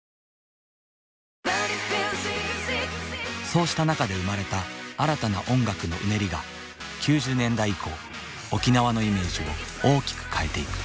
そうした中で生まれた新たな音楽のうねりが９０年代以降沖縄のイメージを大きく変えていく。